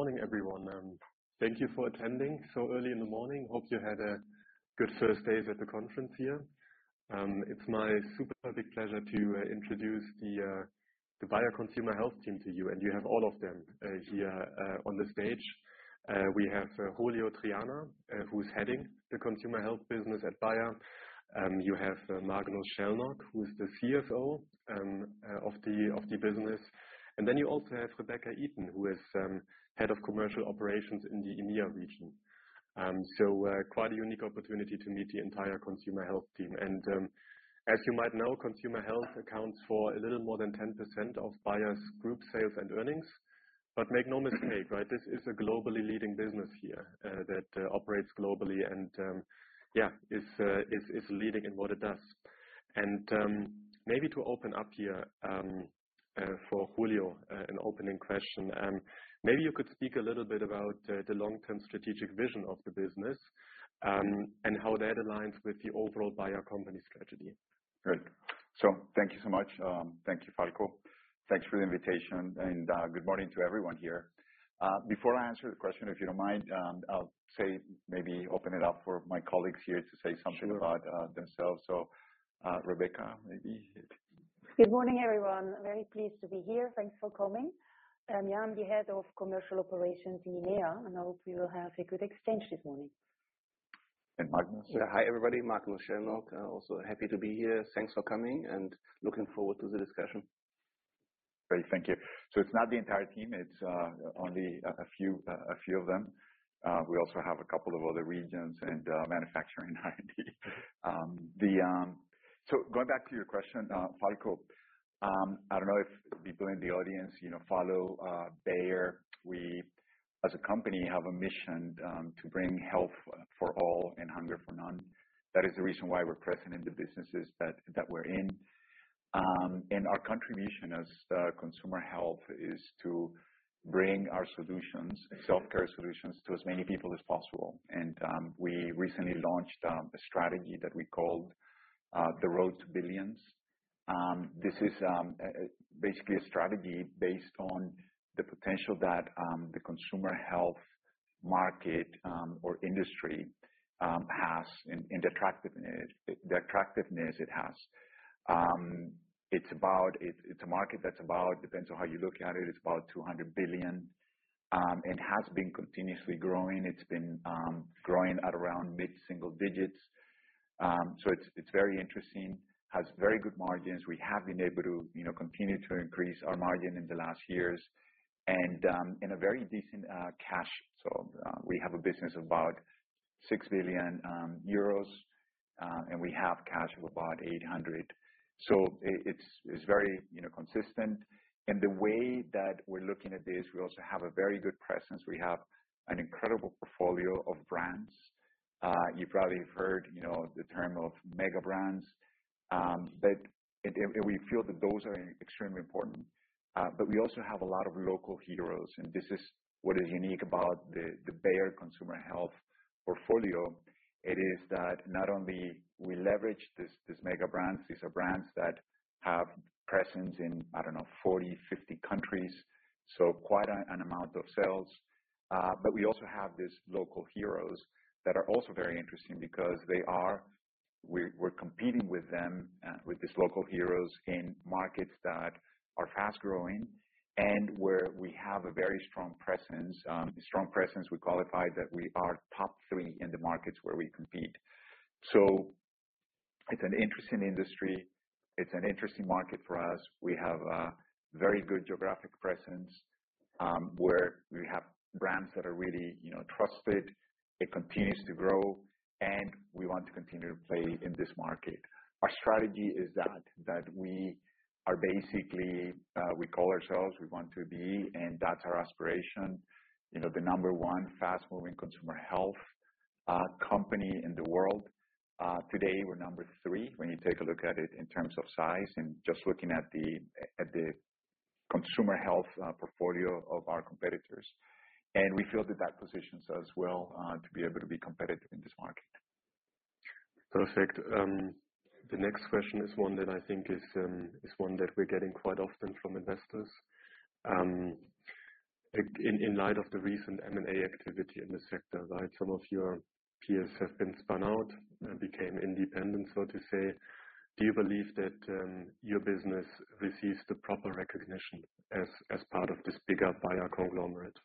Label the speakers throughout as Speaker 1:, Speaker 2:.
Speaker 1: Oh, good morning, everyone. Thank you for attending so early in the morning. Hope you had a good first day at the conference here. It's my super big pleasure to introduce the Bayer Consumer Health team to you, and you have all of them here on the stage. We have Julio Triana, who's heading the Consumer Health business at Bayer. You have Magnus Schellnock, who is the CFO of the business. And then you also have Rebekka Iten, who is Head of Commercial Operations in the EMEA region. Quite a unique opportunity to meet the entire Consumer Health team. As you might know, Consumer Health accounts for a little more than 10% of Bayer's group sales and earnings. Make no mistake, this is a globally leading business here that operates globally and, yeah, is leading in what it does. Maybe to open up here, for Julio, an opening question, maybe you could speak a little bit about the long-term strategic vision of the business, and how that aligns with the overall Bayer company strategy.
Speaker 2: Good. Thank you so much. Thank you, Falko. Thanks for the invitation, and good morning to everyone here. Before I answer the question, if you do not mind, I will maybe open it up for my colleagues here to say something about themselves. So, Rebekka, maybe.
Speaker 3: Good morning, everyone. Very pleased to be here. Thanks for coming. Yeah, I'm the Head of Commercial Operations in EMEA, and I hope we will have a good exchange this morning.
Speaker 2: And Magnus.
Speaker 4: Yeah, hi, everybody. Magnus Schellnock, also happy to be here. Thanks for coming, and looking forward to the discussion.
Speaker 2: Great. Thank you. It's not the entire team. It's only a few of them. We also have a couple of other regions and manufacturing R&D. Going back to your question, Falko, I don't know if people in the audience, you know, follow Bayer. We, as a company, have a mission to bring health for all and hunger for none. That is the reason why we're present in the businesses that we're in. Our contribution as Consumer Health is to bring our solutions, self-care solutions, to as many people as possible. We recently launched a strategy that we called the Road to Billions. This is basically a strategy based on the potential that the Consumer Health market, or industry, has and the attractiveness, the attractiveness it has. It's about, it, it's a market that's about, depends on how you look at it, it's about 200 billion, and has been continuously growing. It's been growing at around mid-single digits. It's very interesting. Has very good margins. We have been able to, you know, continue to increase our margin in the last years. In a very decent, cash. We have a business of about 6 billion euros, and we have cash of about 800 million. It's very, you know, consistent. The way that we're looking at this, we also have a very good presence. We have an incredible portfolio of brands. You probably have heard, you know, the term of mega brands, but it, it, it, we feel that those are extremely important. We also have a lot of local heroes, and this is what is unique about the Bayer Consumer Health portfolio. It is that not only we leverage these mega brands, these are brands that have presence in, I don't know, 40-50 countries, so quite an amount of sales. We also have these local heroes that are also very interesting because we are competing with them, with these local heroes in markets that are fast-growing and where we have a very strong presence. Strong presence, we qualify that we are top three in the markets where we compete. It is an interesting industry. It is an interesting market for us. We have a very good geographic presence, where we have brands that are really, you know, trusted. It continues to grow, and we want to continue to play in this market. Our strategy is that we are basically, we call ourselves, we want to be, and that's our aspiration, you know, the number one fast-moving consumer health company in the world. Today, we're number three when you take a look at it in terms of size and just looking at the consumer health portfolio of our competitors. We feel that that positions us well to be able to be competitive in this market.
Speaker 1: Perfect. The next question is one that I think is one that we're getting quite often from investors. In light of the recent M&A activity in the sector, right, some of your peers have been spun out and became independent, so to say. Do you believe that your business receives the proper recognition as part of this bigger Bayer conglomerate?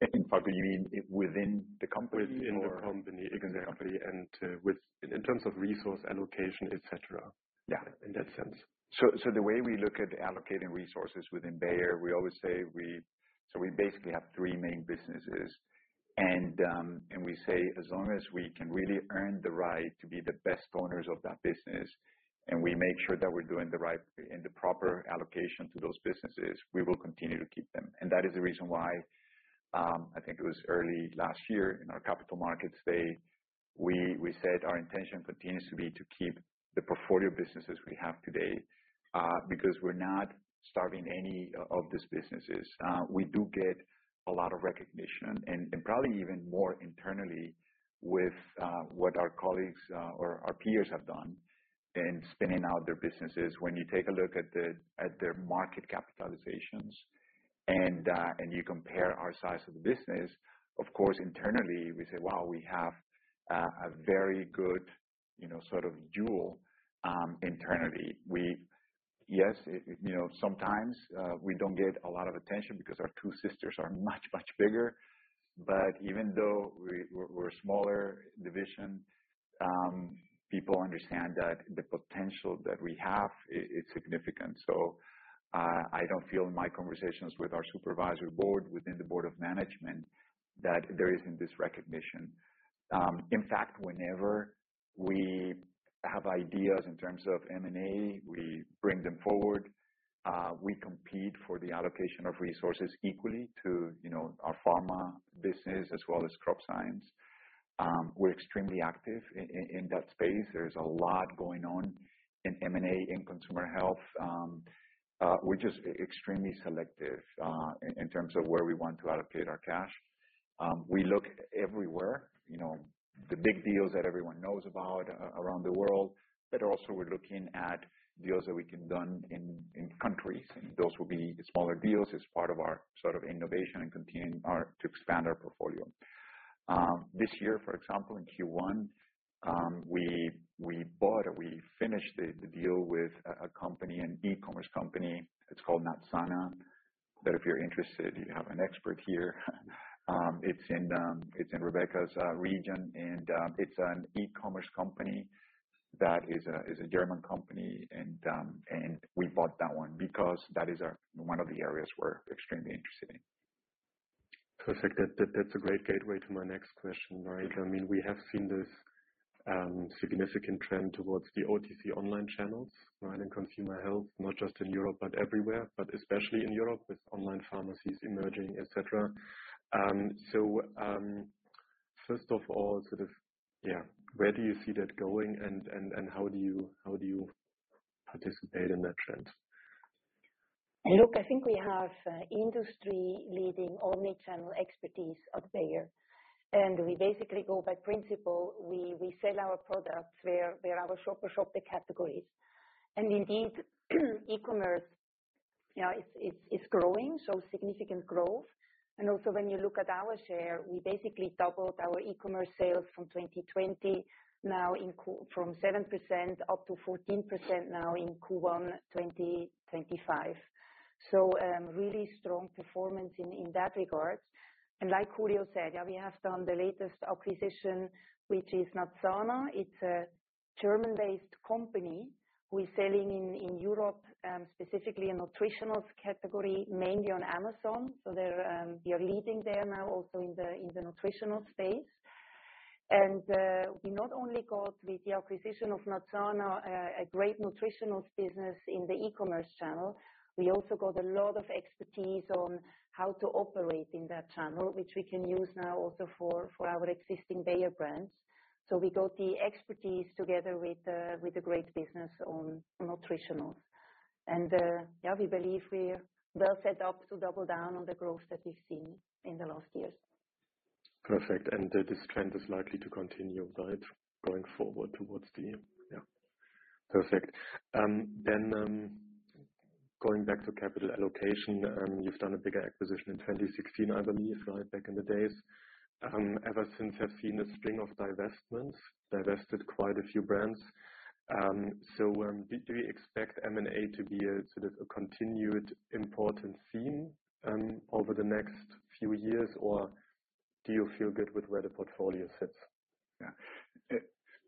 Speaker 2: In Falko, you mean within the company or?
Speaker 1: Within the company, exactly. And, within, in terms of resource allocation, etc.
Speaker 2: Yeah.
Speaker 1: In that sense.
Speaker 2: The way we look at allocating resources within Bayer, we always say we basically have three main businesses. We say as long as we can really earn the right to be the best owners of that business, and we make sure that we're doing the right and the proper allocation to those businesses, we will continue to keep them. That is the reason why, I think it was early last year in our capital markets day, we said our intention continues to be to keep the portfolio businesses we have today, because we're not starving any of these businesses. We do get a lot of recognition and probably even more internally with what our colleagues or our peers have done in spinning out their businesses. When you take a look at their market capitalizations and you compare our size of the business, of course, internally, we say, "Wow, we have a very good, you know, sort of duel, internally." Yes, it, you know, sometimes we do not get a lot of attention because our two sisters are much, much bigger. Even though we are a smaller division, people understand that the potential that we have, it is significant. I do not feel in my conversations with our Supervisory Board, within the Board of Management, that there is not this recognition. In fact, whenever we have ideas in terms of M&A, we bring them forward. We compete for the allocation of resources equally to, you know, our pharma business as well as Crop Science. We are extremely active in that space. There is a lot going on in M&A and Consumer Health. We're just extremely selective, in terms of where we want to allocate our cash. We look everywhere, you know, the big deals that everyone knows about around the world, but also we're looking at deals that we can do in countries. Those will be smaller deals as part of our sort of innovation and continuing to expand our portfolio. This year, for example, in Q1, we bought or we finished the deal with an e-commerce company. It's called Natsana. If you're interested, you have an expert here. It's in Rebekka's region, and it's an e-commerce company that is a German company. We bought that one because that is one of the areas we're extremely interested in.
Speaker 1: Perfect. That's a great gateway to my next question, right? I mean, we have seen this significant trend towards the OTC online channels, right, in consumer health, not just in Europe but everywhere, but especially in Europe with online pharmacies emerging, etc. So, first of all, sort of, yeah, where do you see that going, and how do you participate in that trend?
Speaker 3: Look, I think we have industry-leading omnichannel expertise at Bayer. We basically go by principle. We sell our products where our shoppers shop the categories. E-commerce, you know, it's growing, significant growth. Also, when you look at our share, we basically doubled our e-commerce sales from 2020, now in Q1, from 7% up to 14% now in Q1 2025. Really strong performance in that regard. Like Julio said, we have done the latest acquisition, which is Natsana. It's a German-based company who is selling in Europe, specifically a nutritionals category, mainly on Amazon. They're leading there now also in the nutritional space. We not only got with the acquisition of Natsana a great nutritionals business in the e-commerce channel. We also got a lot of expertise on how to operate in that channel, which we can use now also for our existing Bayer brands. We got the expertise together with a great business on nutritionals. Yeah, we believe we're well set up to double down on the growth that we've seen in the last years.
Speaker 1: Perfect. This trend is likely to continue, right, going forward towards the, yeah. Perfect. Going back to capital allocation, you've done a bigger acquisition in 2016, I believe, right, back in the days. Ever since, have seen a string of divestments, divested quite a few brands. Do you expect M&A to be a sort of a continued important theme over the next few years, or do you feel good with where the portfolio sits?
Speaker 2: Yeah.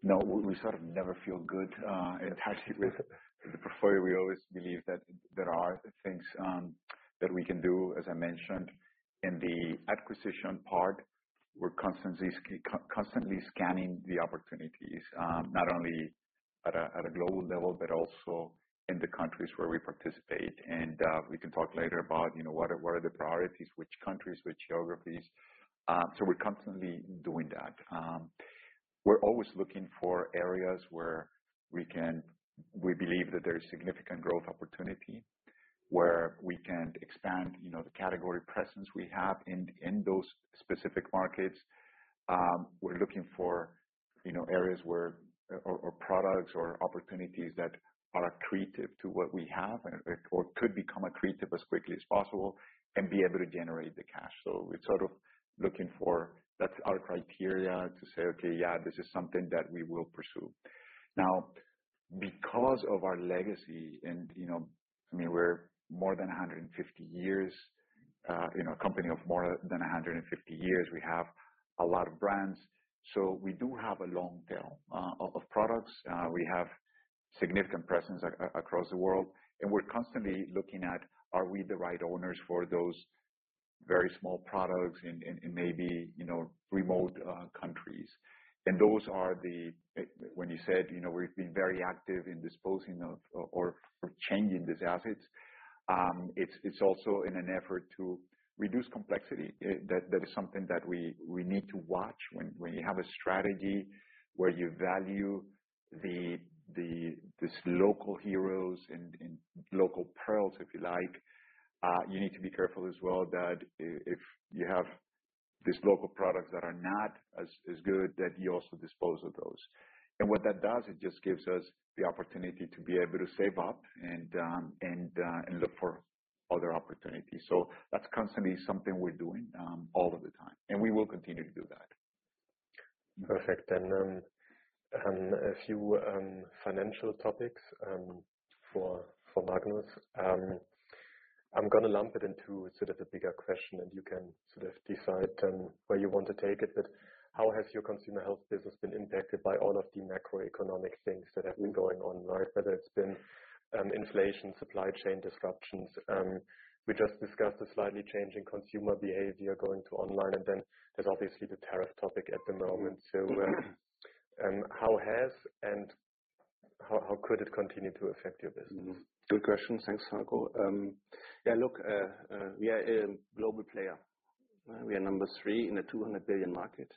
Speaker 2: No, we sort of never feel good, attached with the portfolio. We always believe that there are things that we can do, as I mentioned, in the acquisition part. We're constantly, constantly scanning the opportunities, not only at a global level but also in the countries where we participate. We can talk later about, you know, what are the priorities, which countries, which geographies. We are constantly doing that. We're always looking for areas where we can, we believe that there is significant growth opportunity, where we can expand, you know, the category presence we have in those specific markets. We're looking for, you know, areas where, or products or opportunities that are accretive to what we have and, and or could become accretive as quickly as possible and be able to generate the cash. We're sort of looking for, that's our criteria to say, "Okay, yeah, this is something that we will pursue." Now, because of our legacy and, you know, I mean, we're more than 150 years, you know, a company of more than 150 years. We have a lot of brands. We do have a long tail of products. We have significant presence across the world. We're constantly looking at, are we the right owners for those very small products in, in maybe, you know, remote countries. Those are the, when you said, you know, we've been very active in disposing of, or changing these assets. It's also in an effort to reduce complexity. That is something that we need to watch when you have a strategy where you value these local heroes and local pearls, if you like, you need to be careful as well that if you have these local products that are not as good, that you also dispose of those. What that does, it just gives us the opportunity to be able to save up and look for other opportunities. That is constantly something we're doing, all of the time. We will continue to do that.
Speaker 1: Perfect. A few financial topics for Magnus. I'm gonna lump it into sort of a bigger question, and you can sort of decide where you want to take it. How has your Consumer Health business been impacted by all of the macroeconomic things that have been going on, right? Whether it's been inflation, supply chain disruptions, we just discussed the slightly changing consumer behavior going to online, and then there's obviously the tariff topic at the moment. How has and how could it continue to affect your business?
Speaker 4: Mm-hmm. Good question. Thanks, Falko. Yeah, look, we are a global player. We are number three in a 200-billion market.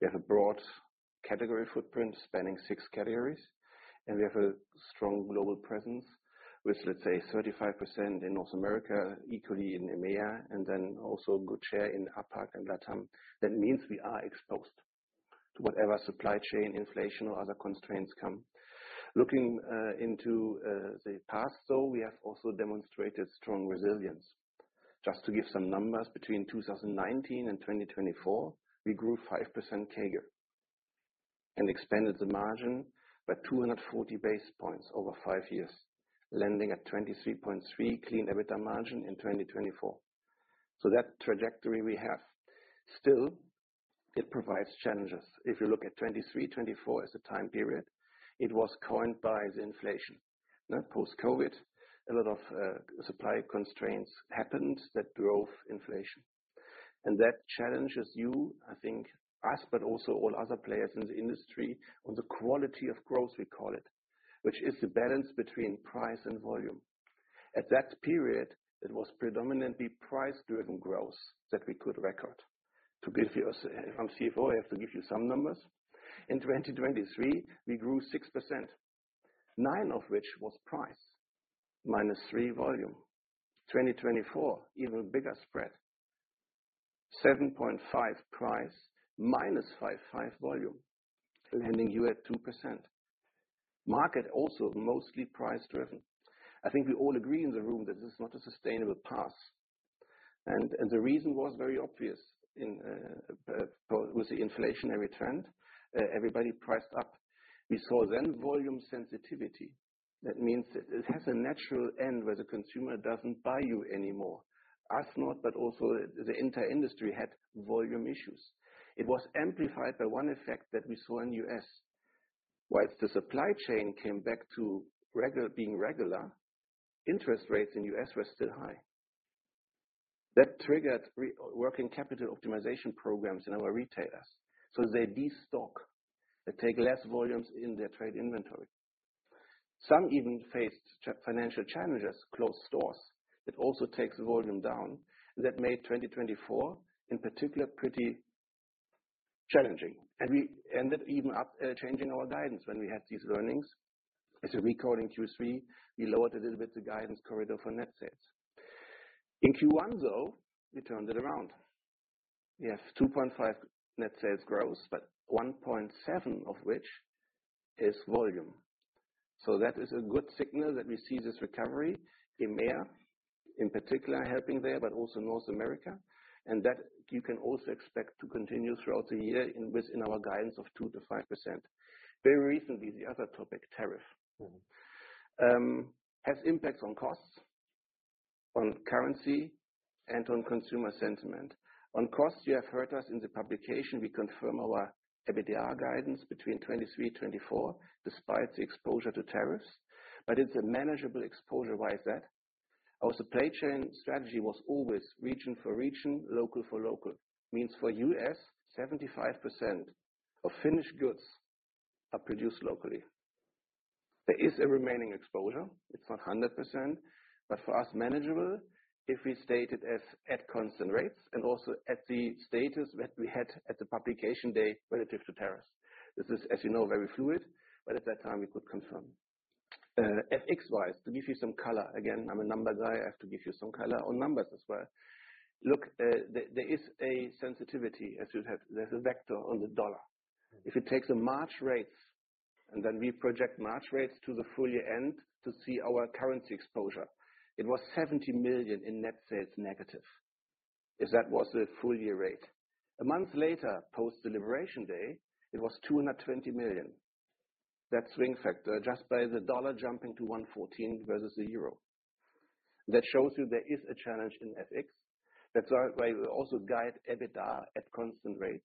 Speaker 4: We have a broad category footprint spanning six categories. And we have a strong global presence with, let's say, 35% in North America, equally in EMEA, and then also a good share in APAC and LATAM. That means we are exposed to whatever supply chain inflation or other constraints come. Looking into the past, though, we have also demonstrated strong resilience. Just to give some numbers, between 2019 and 2024, we grew 5% CAGR and expanded the margin by 240 basis points over five years, landing at 23.3% clean EBITDA margin in 2024. So that trajectory we have. Still, it provides challenges. If you look at 2023, 2024 as a time period, it was coined by the inflation. Now, post-COVID, a lot of supply constraints happened that drove inflation. That challenges you, I think, us, but also all other players in the industry on the quality of growth, we call it, which is the balance between price and volume. At that period, it was predominantly price-driven growth that we could record. To give you a, as a CFO, I have to give you some numbers. In 2023, we grew 6%, 9% of which was price minus 3% volume. 2024, even bigger spread, 7.5% price minus 5.5% volume, landing you at 2%. Market also mostly price-driven. I think we all agree in the room that this is not a sustainable path. The reason was very obvious with the inflationary trend. Everybody priced up. We saw then volume sensitivity. That means it has a natural end where the consumer does not buy you anymore. Us not, but also the entire industry had volume issues. It was amplified by one effect that we saw in the U.S. While the supply chain came back to being regular, interest rates in the U.S. were still high. That triggered reworking capital optimization programs in our retailers. So they destock, they take less volumes in their trade inventory. Some even faced financial challenges, closed stores. It also takes volume down. That made 2024, in particular, pretty challenging. We ended up even changing our guidance when we had these learnings. As you recall, in Q3, we lowered a little bit the guidance corridor for net sales. In Q1, though, we turned it around. We have 2.5% net sales growth, but 1.7% of which is volume. That is a good signal that we see this recovery in EMEA, in particular helping there, but also North America. That you can also expect to continue throughout the year within our guidance of 2-5%. Very recently, the other topic, tariff. Mm-hmm. has impacts on costs, on currency, and on consumer sentiment. On cost, you have heard us in the publication. We confirm our EBITDA guidance between 2023 and 2024, despite the exposure to tariffs. It is a manageable exposure, why is that? Our supply chain strategy was always region for region, local for local. Means for U.S., 75% of finished goods are produced locally. There is a remaining exposure. It is not 100%, but for us, manageable if we state it as at constant rates and also at the status that we had at the publication day relative to tariffs. This is, as you know, very fluid, but at that time, we could confirm. FX-wise, to give you some color, again, I am a number guy. I have to give you some color on numbers as well. Look, there is a sensitivity, as you have, there is a vector on the dollar. If it takes the March rates, and then we project March rates to the full year end to see our currency exposure, it was 70 million in net sales negative if that was the full year rate. A month later, post-deliberation day, it was 220 million. That swing factor, just by the dollar jumping to $1.14 versus the euro. That shows you there is a challenge in FX. That is why we also guide EBITDA at constant rates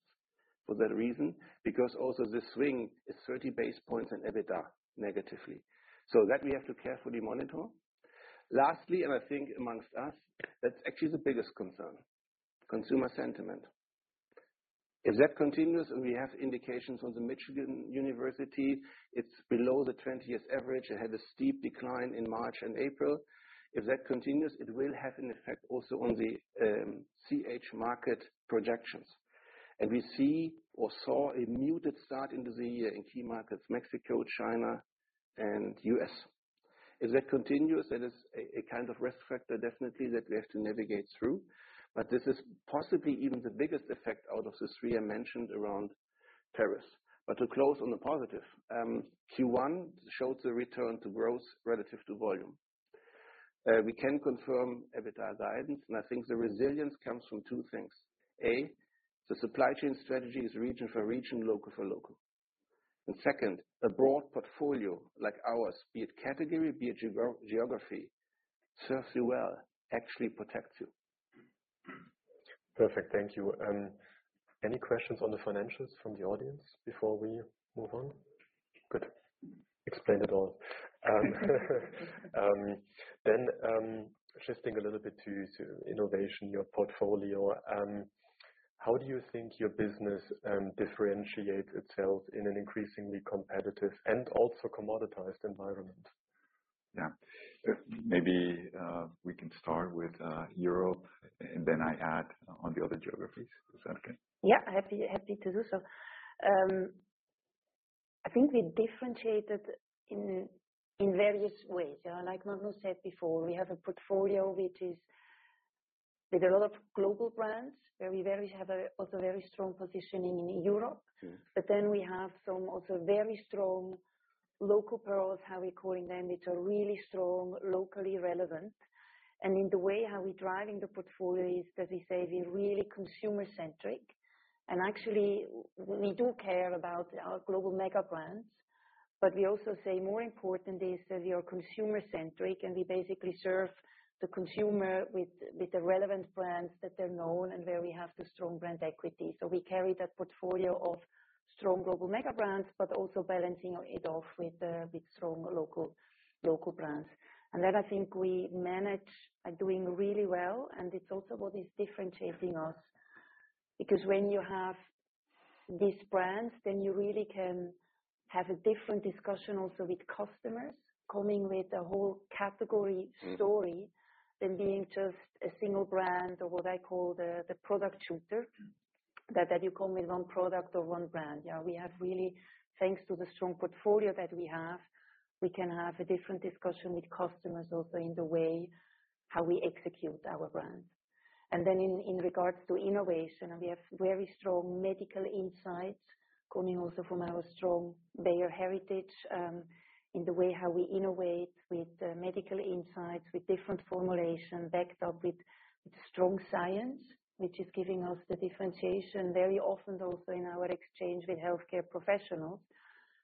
Speaker 4: for that reason, because also the swing is 30 basis points in EBITDA negatively. That we have to carefully monitor. Lastly, and I think amongst us, that is actually the biggest concern, consumer sentiment. If that continues, and we have indications on the Michigan University, it is below the 20-year average. It had a steep decline in March and April. If that continues, it will have an effect also on the CH market projections. We see or saw a muted start into the year in key markets, Mexico, China, and U.S. If that continues, that is a kind of risk factor definitely that we have to navigate through. This is possibly even the biggest effect out of the three I mentioned around tariffs. To close on the positive, Q1 showed the return to growth relative to volume. We can confirm EBITDA guidance. I think the resilience comes from two things. A, the supply chain strategy is region for region, local for local. Second, a broad portfolio like ours, be it category, be it geo-geography, serves you well, actually protects you.
Speaker 1: Perfect. Thank you. Any questions on the financials from the audience before we move on? Good. Explained it all. Then, shifting a little bit to innovation, your portfolio, how do you think your business differentiates itself in an increasingly competitive and also commoditized environment?
Speaker 2: Yeah. Maybe, we can start with Europe, and then I add on the other geographies. Is that okay?
Speaker 3: Yeah. Happy, happy to do so. I think we differentiated in, in various ways. You know, like Magnus said before, we have a portfolio which is with a lot of global brands where we have also very strong positioning in Europe.
Speaker 2: Mm-hmm.
Speaker 3: We have some also very strong local pearls, how we're calling them, which are really strong, locally relevant. In the way how we're driving the portfolio is that we say we're really consumer-centric. Actually, we do care about our global mega brands. We also say more important is that we are consumer-centric, and we basically serve the consumer with the relevant brands that they're known and where we have the strong brand equity. We carry that portfolio of strong global mega brands, but also balancing it off with strong local brands. I think we manage by doing really well. It is also what is differentiating us, because when you have these brands, then you really can have a different discussion also with customers coming with a whole category story. Than being just a single brand or what I call the, the product shooter, that you come with one product or one brand. You know, we have really, thanks to the strong portfolio that we have, we can have a different discussion with customers also in the way how we execute our brands. In regards to innovation, we have very strong medical insights coming also from our strong Bayer heritage, in the way how we innovate with medical insights with different formulation backed up with strong science, which is giving us the differentiation very often also in our exchange with healthcare professionals.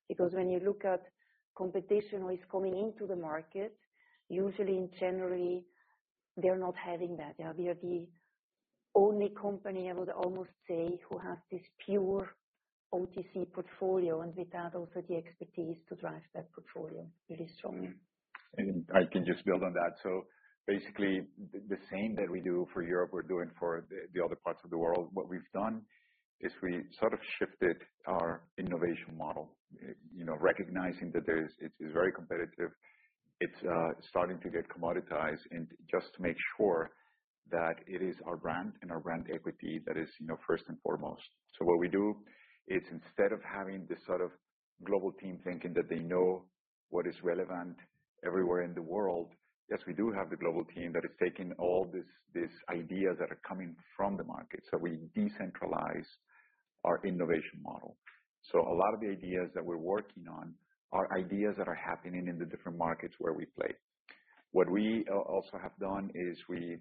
Speaker 3: Because when you look at competition who is coming into the market, usually in January, they're not having that. You know, we are the only company, I would almost say, who has this pure OTC portfolio and without also the expertise to drive that portfolio really strongly.
Speaker 2: I can just build on that. Basically, the same that we do for Europe, we're doing for the other parts of the world. What we've done is we sort of shifted our innovation model, you know, recognizing that it is very competitive. It's starting to get commoditized and just to make sure that it is our brand and our brand equity that is, you know, first and foremost. What we do is instead of having this sort of global team thinking that they know what is relevant everywhere in the world, yes, we do have the global team that is taking all these ideas that are coming from the market. We decentralize our innovation model. A lot of the ideas that we're working on are ideas that are happening in the different markets where we play. What we also have done is we,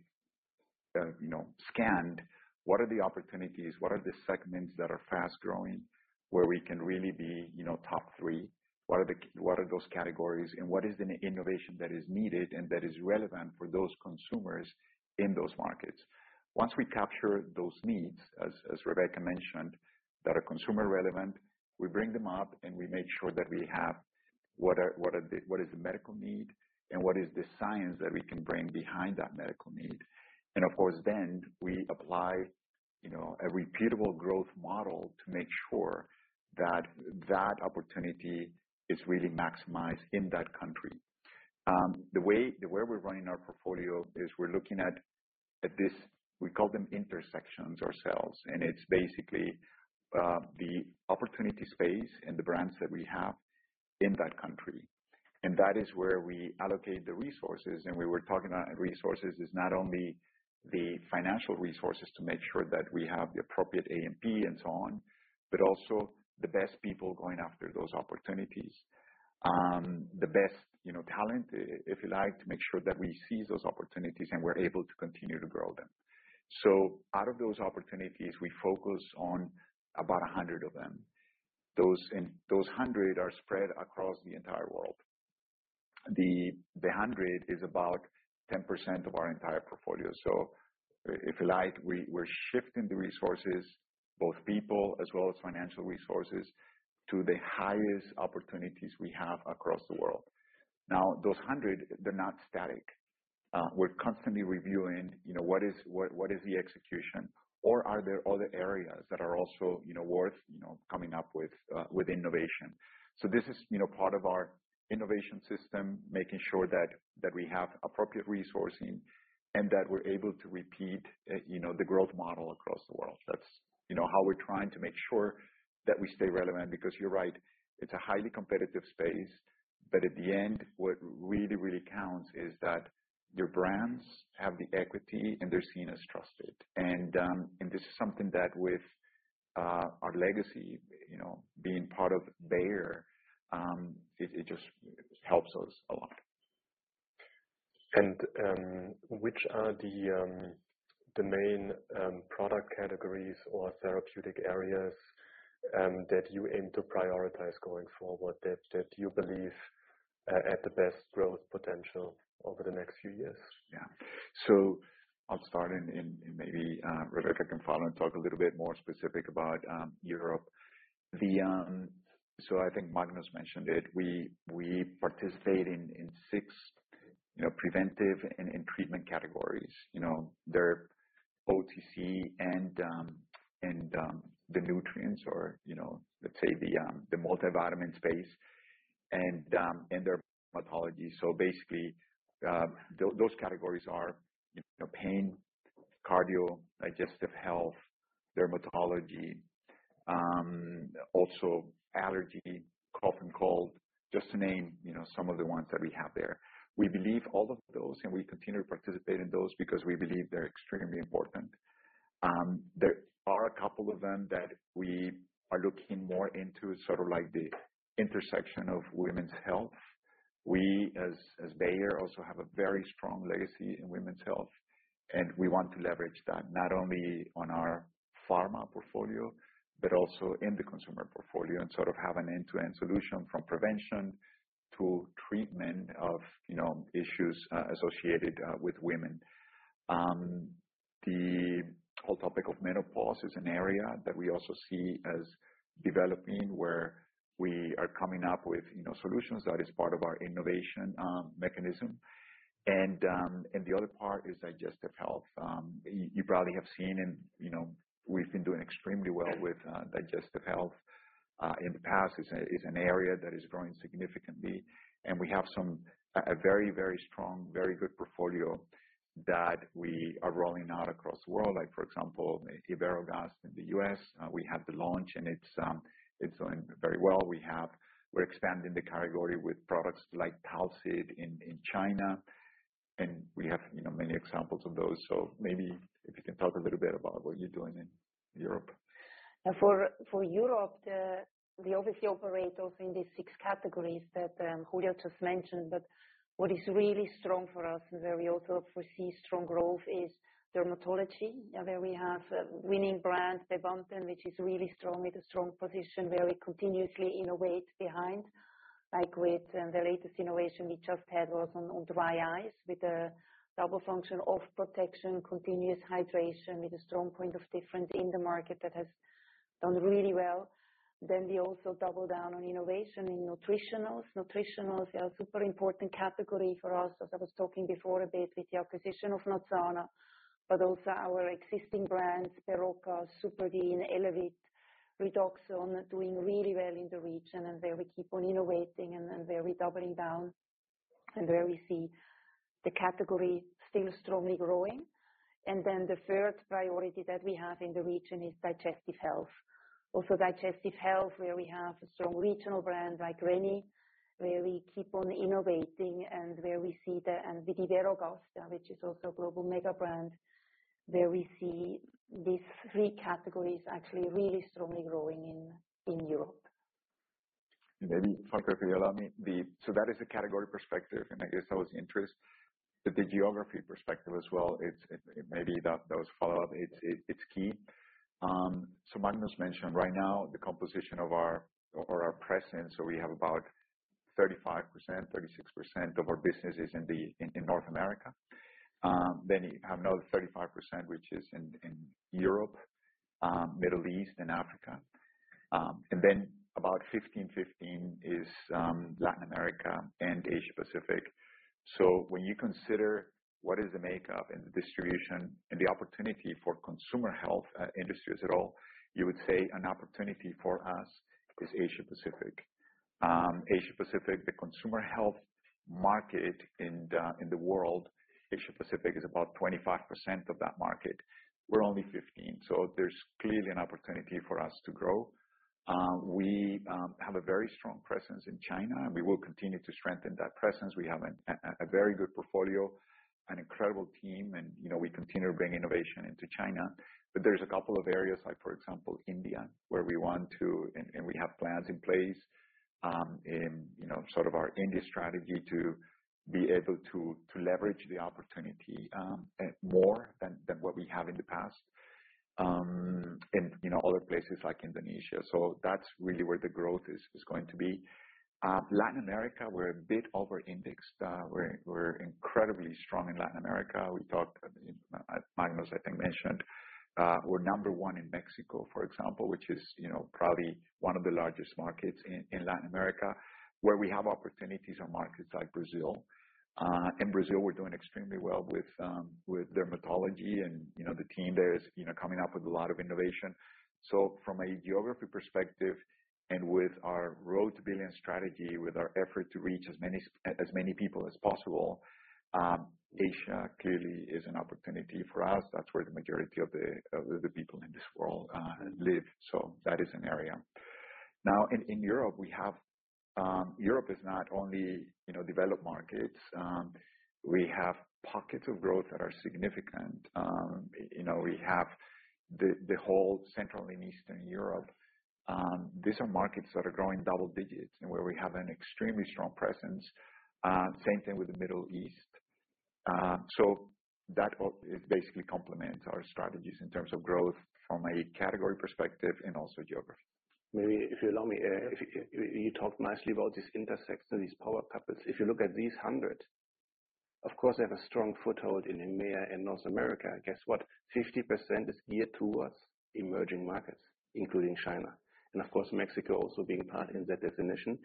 Speaker 2: you know, scanned what are the opportunities, what are the segments that are fast-growing where we can really be, you know, top three, what are those categories, and what is the innovation that is needed and that is relevant for those consumers in those markets. Once we capture those needs, as Rebekka mentioned, that are consumer relevant, we bring them up, and we make sure that we have what is the medical need and what is the science that we can bring behind that medical need. Of course, then we apply, you know, a repeatable growth model to make sure that that opportunity is really maximized in that country. The way we're running our portfolio is we're looking at this, we call them intersections ourselves. It is basically the opportunity space and the brands that we have in that country. That is where we allocate the resources. When we are talking about resources, it is not only the financial resources to make sure that we have the appropriate A&P and so on, but also the best people going after those opportunities, the best, you know, talent, if you like, to make sure that we seize those opportunities and we are able to continue to grow them. Out of those opportunities, we focus on about 100 of them. Those 100 are spread across the entire world. The 100 is about 10% of our entire portfolio. If you like, we are shifting the resources, both people as well as financial resources, to the highest opportunities we have across the world. Now, those 100, they are not static. We're constantly reviewing, you know, what is the execution, or are there other areas that are also, you know, worth coming up with innovation. This is, you know, part of our innovation system, making sure that we have appropriate resourcing and that we're able to repeat, you know, the growth model across the world. That's, you know, how we're trying to make sure that we stay relevant. You're right, it's a highly competitive space. At the end, what really, really counts is that your brands have the equity and they're seen as trusted. This is something that, with our legacy, you know, being part of Bayer, it just helps us a lot.
Speaker 1: Which are the main product categories or therapeutic areas that you aim to prioritize going forward that you believe have the best growth potential over the next few years?
Speaker 2: Yeah. I'll start in, maybe Rebekka can follow and talk a little bit more specific about Europe. I think Magnus mentioned it. We participate in six preventive and treatment categories. They're OTC and the nutrients or, you know, let's say the multivitamin space and dermatology. Basically, those categories are pain, cardio, digestive health, dermatology, also allergy, cough and cold, just to name some of the ones that we have there. We believe all of those, and we continue to participate in those because we believe they're extremely important. There are a couple of them that we are looking more into, sort of like the intersection of women's health. We, as Bayer, also have a very strong legacy in women's health, and we want to leverage that not only on our pharma portfolio, but also in the consumer portfolio and sort of have an end-to-end solution from prevention to treatment of, you know, issues associated with women. The whole topic of menopause is an area that we also see as developing where we are coming up with, you know, solutions that are part of our innovation mechanism. The other part is digestive health. You probably have seen, and, you know, we've been doing extremely well with digestive health in the past. It's an area that is growing significantly. We have a very, very strong, very good portfolio that we are rolling out across the world. Like, for example, Iberogast in the U.S., we had the launch, and it's, it's going very well. We have, we're expanding the category with products like Talcid in, in China. And we have, you know, many examples of those. So maybe if you can talk a little bit about what you're doing in Europe.
Speaker 3: Yeah. For Europe, we obviously operate also in these six categories that Julio just mentioned. What is really strong for us and where we also foresee strong growth is dermatology, where we have a winning brand, Vividrin, which is really strong with a strong position where we continuously innovate behind. Like with the latest innovation we just had was on dry eyes with a double function of protection, continuous hydration with a strong point of difference in the market that has done really well. We also double down on innovation in nutritionals. Nutritionals are a super important category for us, as I was talking before a bit with the acquisition of Natsana, but also our existing brands, Berocca, Supradyn, Elevit, Redoxon, doing really well in the region and where we keep on innovating and where we're doubling down and where we see the category still strongly growing. The third priority that we have in the region is digestive health. Also digestive health where we have a strong regional brand like Rennie, where we keep on innovating and with Iberogast, which is also a global mega brand, where we see these three categories actually really strongly growing in Europe.
Speaker 2: Maybe, Falko, let me, so that is a category perspective, and I guess that was the interest. The geography perspective as well, it's, it, maybe those follow-up, it's key. Magnus mentioned right now the composition of our, or our presence. We have about 35%-36% of our business in North America. Then you have another 35%, which is in Europe, Middle East, and Africa. Then about 15% is Latin America and Asia-Pacific. When you consider what is the makeup and the distribution and the opportunity for consumer health industry as a whole, you would say an opportunity for us is Asia-Pacific. Asia-Pacific, the consumer health market in the world, Asia-Pacific is about 25% of that market. We're only 15%. There is clearly an opportunity for us to grow. We have a very strong presence in China, and we will continue to strengthen that presence. We have a very good portfolio, an incredible team, and, you know, we continue to bring innovation into China. There are a couple of areas, like, for example, India, where we want to, and we have plans in place in, you know, sort of our India strategy to be able to leverage the opportunity more than what we have in the past. You know, other places like Indonesia. That is really where the growth is going to be. Latin America, we are a bit over-indexed. We are incredibly strong in Latin America. We talked, Magnus, I think, mentioned, we are number one in Mexico, for example, which is probably one of the largest markets in Latin America, where we have opportunities on markets like Brazil. In Brazil, we're doing extremely well with dermatology and, you know, the team there is, you know, coming up with a lot of innovation. From a geography perspective and with our road-to-billion strategy, with our effort to reach as many people as possible, Asia clearly is an opportunity for us. That's where the majority of the people in this world live. That is an area. Now, in Europe, we have, Europe is not only, you know, developed markets. We have pockets of growth that are significant. You know, we have the whole Central and Eastern Europe. These are markets that are growing double digits and where we have an extremely strong presence. Same thing with the Middle East. That basically complements our strategies in terms of growth from a category perspective and also geography.
Speaker 4: Maybe if you allow me, if you talk nicely about this intersection, these power couples, if you look at these 100, of course, they have a strong foothold in EMEA and North America. Guess what? 50% is geared towards emerging markets, including China. Of course, Mexico also being part in that definition.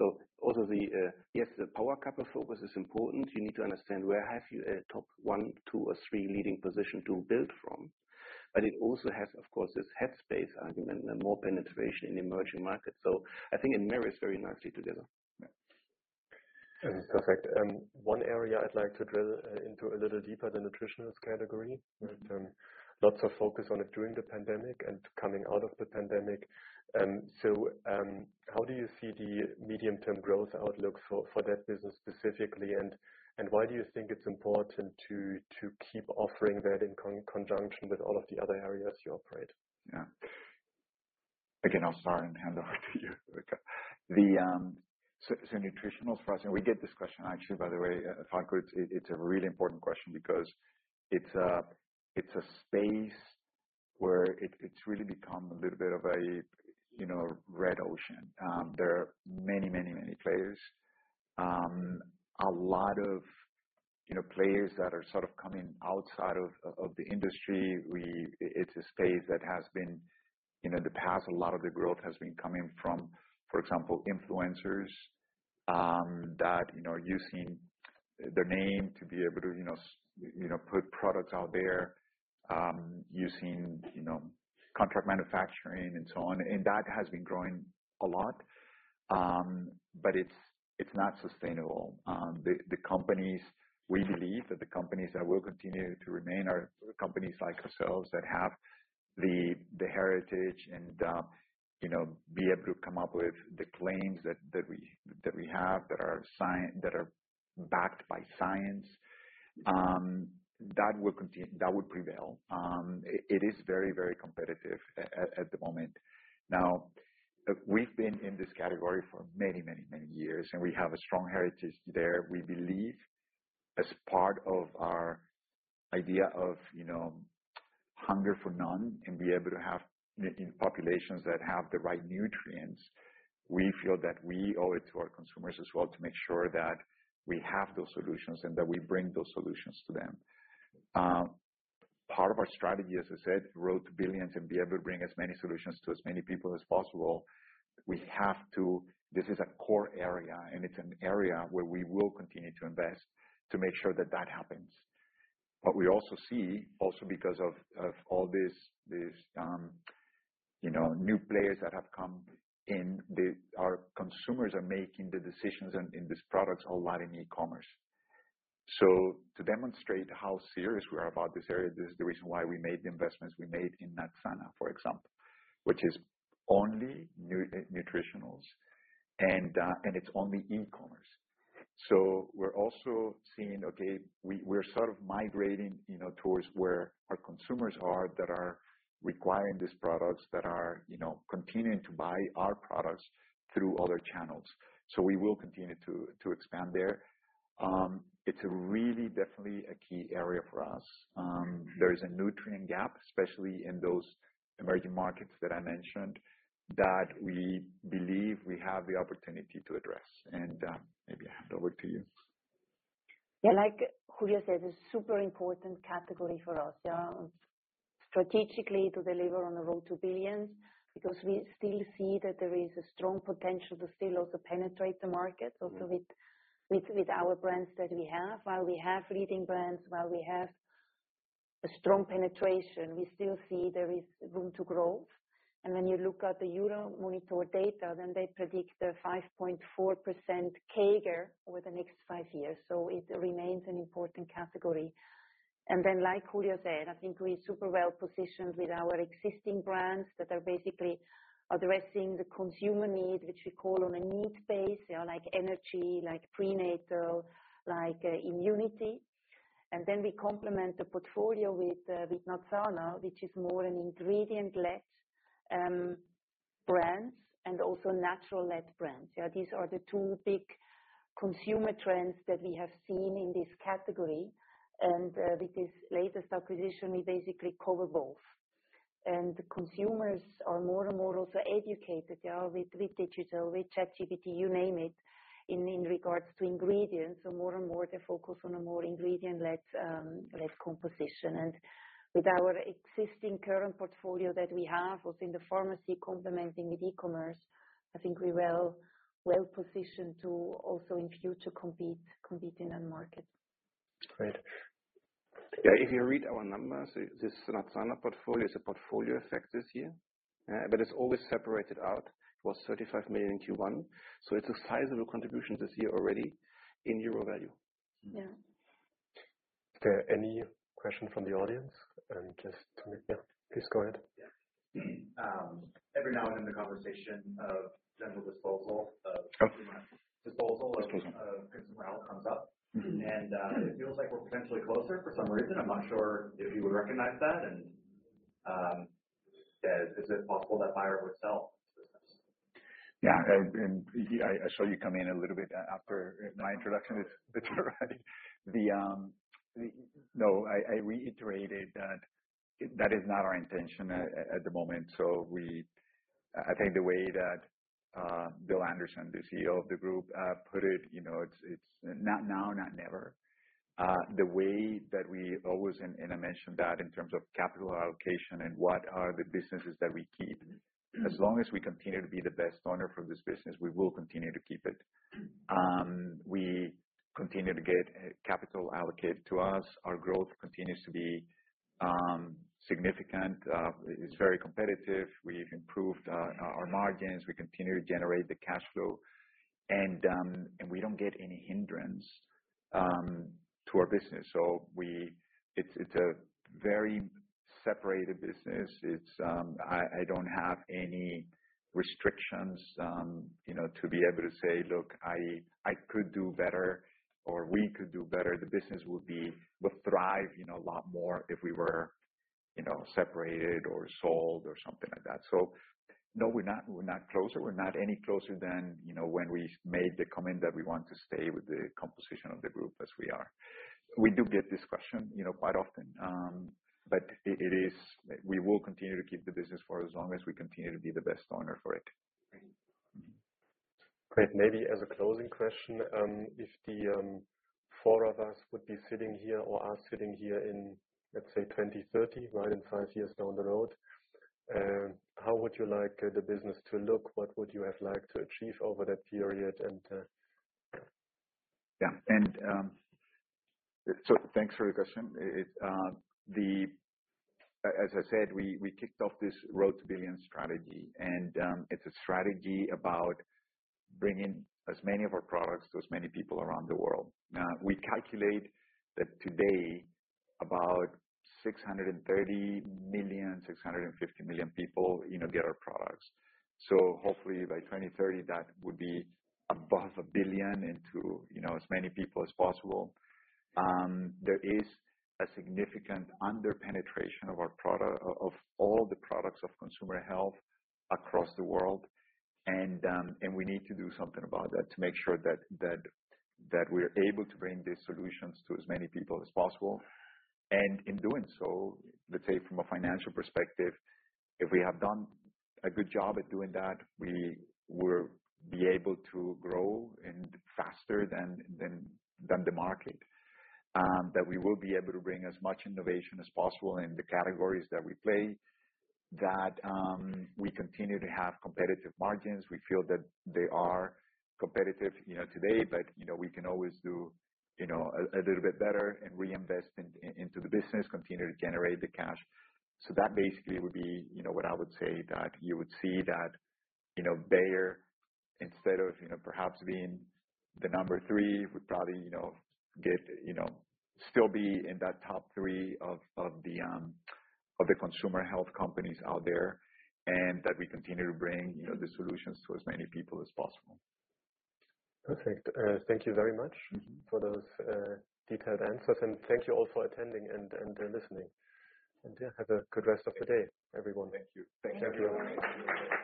Speaker 4: Yes, the power couple focus is important. You need to understand where have you a top one, two, or three leading position to build from. It also has, of course, this headspace argument and more penetration in emerging markets. I think it marries very nicely together.
Speaker 1: Yeah. Perfect. One area I'd like to drill into a little deeper, the nutritionals category, but lots of focus on it during the pandemic and coming out of the pandemic. How do you see the medium-term growth outlook for that business specifically? And why do you think it's important to keep offering that in conjunction with all of the other areas you operate?
Speaker 2: Yeah. Again, I'll start and hand over to you, Rebekka. Nutritionals for us, and we get this question actually, by the way, if I could, it's a really important question because it's a space where it's really become a little bit of a, you know, red ocean. There are many, many, many players. A lot of, you know, players that are sort of coming outside of the industry. We, it's a space that has been, you know, in the past, a lot of the growth has been coming from, for example, influencers that, you know, are using their name to be able to, you know, put products out there, using, you know, contract manufacturing and so on. That has been growing a lot. It is not sustainable. The companies, we believe that the companies that will continue to remain are companies like ourselves that have the heritage and, you know, be able to come up with the claims that we have that are backed by science. That will continue, that would prevail. It is very, very competitive at the moment. Now, we've been in this category for many, many years, and we have a strong heritage there. We believe as part of our idea of, you know, hunger for none and be able to have in populations that have the right nutrients, we feel that we owe it to our consumers as well to make sure that we have those solutions and that we bring those solutions to them. Part of our strategy, as I said, Road To Billions and be able to bring as many solutions to as many people as possible. We have to, this is a core area, and it is an area where we will continue to invest to make sure that that happens. We also see, also because of all this, you know, new players that have come in, our consumers are making the decisions and these products are a lot in e-commerce. To demonstrate how serious we are about this area, this is the reason why we made the investments we made in Natsana, for example, which is only nutritionals and it is only e-commerce. We are also seeing, okay, we are sort of migrating, you know, towards where our consumers are that are requiring these products that are, you know, continuing to buy our products through other channels. We will continue to expand there. It's really, definitely a key area for us. There is a nutrient gap, especially in those emerging markets that I mentioned, that we believe we have the opportunity to address. Maybe I hand over to you.
Speaker 3: Yeah. Like Julio said, it's a super important category for us, yeah, strategically to deliver on the road-to-billions because we still see that there is a strong potential to still also penetrate the market also with our brands that we have. While we have leading brands, while we have a strong penetration, we still see there is room to grow. When you look at the Euromonitor data, they predict a 5.4% CAGR over the next five years. It remains an important category. Like Julio said, I think we're super well-positioned with our existing brands that are basically addressing the consumer need, which we call on a need base, you know, like energy, like prenatal, like immunity. We complement the portfolio with Natsana, which is more an ingredient-led brand and also natural-led brands. Yeah. These are the two big consumer trends that we have seen in this category. With this latest acquisition, we basically cover both. Consumers are more and more also educated, you know, with digital, with ChatGPT, you name it, in regards to ingredients. More and more they focus on a more ingredient-led composition. With our existing current portfolio that we have also in the pharmacy complementing with e-commerce, I think we are well-positioned to also in future compete in that market.
Speaker 4: Great. Yeah. If you read our numbers, this Natsana portfolio is a portfolio effect this year. It is always separated out. It was 35 million in Q1. It is a sizable contribution this year already in Euro value.
Speaker 3: Yeah.
Speaker 1: Is there any question from the audience? Just to make, yeah, please go ahead. Every now and then the conversation of disposal, disposal of consumer health comes up. It feels like we're potentially closer for some reason. I'm not sure if you would recognize that. Yeah, is it possible that Bayer would sell to this?
Speaker 2: Yeah. I saw you come in a little bit after my introduction, which, you're right. No, I reiterated that that is not our intention at the moment. I think the way that Bill Anderson, the CEO of the group, put it, you know, it's not now, not never. The way that we always, and I mentioned that in terms of capital allocation and what are the businesses that we keep, as long as we continue to be the best owner for this business, we will continue to keep it. We continue to get capital allocated to us. Our growth continues to be significant. It's very competitive. We've improved our margins. We continue to generate the cash flow. We don't get any hindrance to our business. It's a very separated business. It's, I don't have any restrictions, you know, to be able to say, "Look, I could do better or we could do better. The business will be, will thrive, you know, a lot more if we were, you know, separated or sold or something like that." No, we're not, we're not closer. We're not any closer than, you know, when we made the comment that we want to stay with the composition of the group as we are. We do get this question, you know, quite often. It is, we will continue to keep the business for as long as we continue to be the best owner for it.
Speaker 1: Great. Great. Maybe as a closing question, if the four of us would be sitting here or are sitting here in, let's say, 2030, right, in five years down the road, how would you like the business to look? What would you have liked to achieve over that period?
Speaker 2: Yeah. Thanks for the question. As I said, we kicked off this road-to-billions strategy. It is a strategy about bringing as many of our products to as many people around the world. We calculate that today about 630 million-650 million people, you know, get our products. Hopefully by 2030, that would be above a billion, into as many people as possible. There is a significant under-penetration of our product, of all the products of Consumer Health across the world. We need to do something about that to make sure that we are able to bring these solutions to as many people as possible. In doing so, let's say from a financial perspective, if we have done a good job at doing that, we will be able to grow faster than the market, we will be able to bring as much innovation as possible in the categories that we play, we continue to have competitive margins. We feel that they are competitive, you know, today, but, you know, we can always do, you know, a little bit better and reinvest into the business, continue to generate the cash. That basically would be, you know, what I would say that you would see that, you know, Bayer, instead of, you know, perhaps being the number three, would probably, you know, still be in that top three of the consumer health companies out there and that we continue to bring, you know, the solutions to as many people as possible.
Speaker 1: Perfect. Thank you very much for those detailed answers. Thank you all for attending and listening. Yeah, have a good rest of your day, everyone.
Speaker 2: Thank you. Thank you very much.